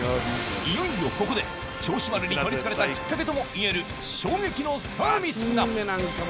いよいよここで銚子丸に取り憑かれたきっかけともいえる２時まで。